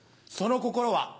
その心は。